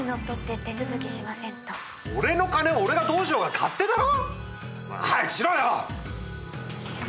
俺の金を俺がどうしようが勝手だろ？